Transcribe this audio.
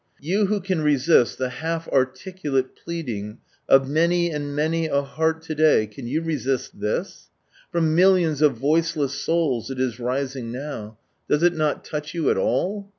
You who can resist the half articulate pleading of many and many a heart to day, can you resist ///«? From millions of voiceless souls, it is rising now — does it not touch you at all?